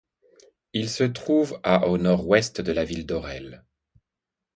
Il se trouve à au nord ouest de la ville d'Orel.